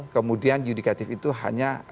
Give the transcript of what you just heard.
kemudian yudikatif itu hanya